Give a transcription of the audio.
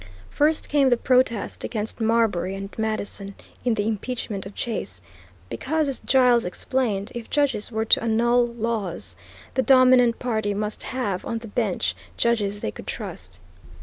First came the protest against Marbury and Madison in the impeachment of Chase, because, as Giles explained, if judges were to annul laws, the dominant party must have on the bench judges they could trust.